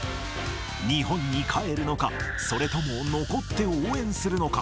日本に帰るのか、それとも残って応援するのか。